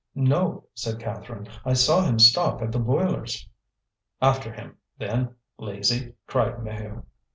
"No," said Catherine. "I saw him stop at the boilers." "After him, then, lazy," cried Maheu.